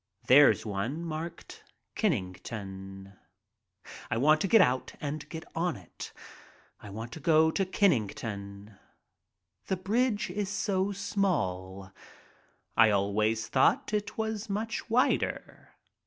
There's one marked "Kenn ington." I want to get out and get on it — I want to go to Kenn ington. The bridge is so small; I always thought it was much wider.